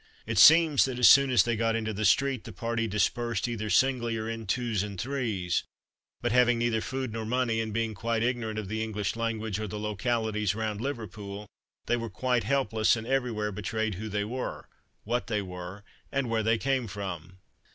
It seems that as soon as they got into the street the party dispersed, either singly or in twos and threes; but having neither food nor money, and being quite ignorant of the English language or the localities round Liverpool, they were quite helpless and everywhere betrayed who they were, what they were, and where they came from.